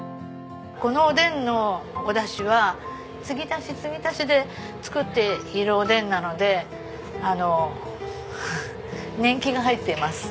このおでんのおだしは継ぎ足し継ぎ足しで作っているおでんなのであの年季が入っています。